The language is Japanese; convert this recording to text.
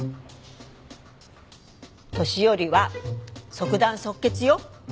年寄りは即断即決よ！